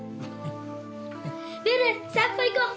ウェル散歩行こう！